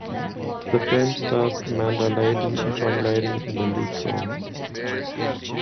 The film stars Amanda Leyden and John Leyden in the lead roles.